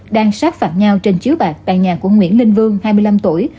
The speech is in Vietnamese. đang sát phạt nhau trên chiếu bạc tại nhà của nguyễn linh vương hai mươi năm tuổi